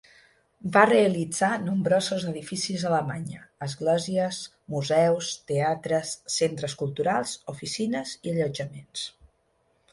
Va realitzar nombrosos edificis a Alemanya: esglésies, museus, teatres, centres culturals, oficines i allotjaments.